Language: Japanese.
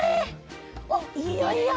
おっいいよいいよ。